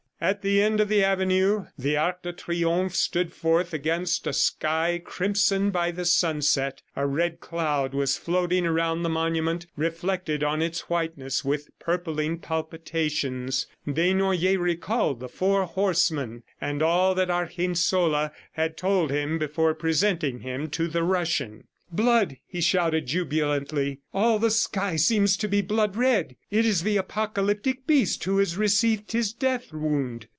At the end of the avenue, the Arc de Triomphe stood forth against a sky crimsoned by the sunset. A red cloud was floating around the monument, reflected on its whiteness with purpling palpitations. Desnoyers recalled the four horsemen, and all that Argensola had told him before presenting him to the Russian. "Blood!" shouted jubilantly. "All the sky seems to be blood red. ... It is the apocalyptic beast who has received his death wound.